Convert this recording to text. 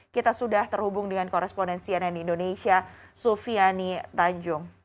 kita sudah terhubung dengan korespondensi ann indonesia sufiani tanjung